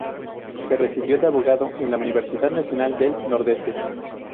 Se recibió de abogado en la Universidad Nacional del Nordeste.